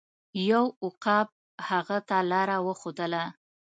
یو عقاب هغه ته لاره وښودله.